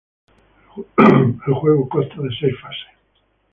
El juego consta de seis fases.